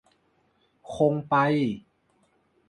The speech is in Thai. คงไป